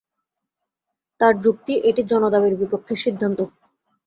তাঁর যুক্তি, এটি জনদাবির বিপক্ষের সিদ্ধান্ত।